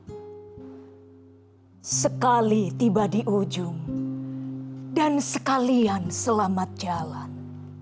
hai sekali tiba di ujung dan sekalian selamat jalan